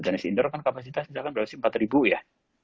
tenis indoor kan kapasitas misalkan berharga empat ya